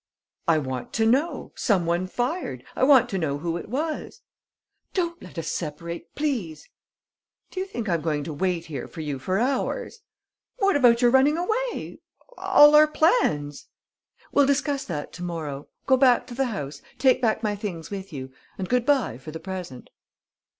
"I want to know. Some one fired. I want to know who it was." "Don't let us separate, please!" "Do you think I'm going to wait here for you for hours?" "What about your running away?... All our plans ...?" "We'll discuss that to morrow. Go back to the house. Take back my things with you.... And good bye for the present."